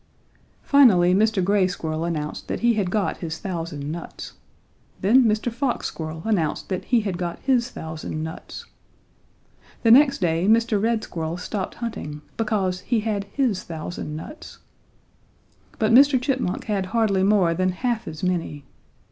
"Finally Mr. Gray Squirrel announced that he had got his thousand nuts. Then Mr. Fox Squirrel announced that he had got his thousand nuts. The next day Mr. Red Squirrel stopped hunting because he had his thousand nuts. "But Mr. Chipmunk had hardly more than half as many.